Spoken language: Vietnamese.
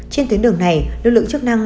trên tuyến đường này lực lượng chức năng